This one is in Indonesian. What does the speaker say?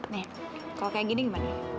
nih kalau kayak gini gimana